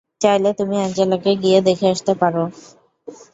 চাইলে তুমি অ্যাঞ্জেলাকে গিয়ে দেখে আসতে পারো।